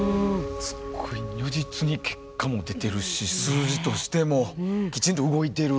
すっごい如実に結果も出てるし数字としてもきちんと動いてる。